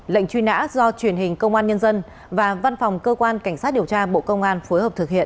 lệnh truy nã do truyền hình công an nhân dân và văn phòng cơ quan cảnh sát điều tra bộ công an phối hợp thực hiện